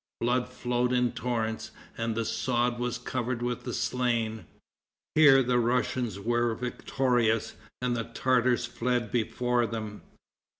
Blood flowed in torrents, and the sod was covered with the slain. Here the Russians were victorious and the Tartars fled before them.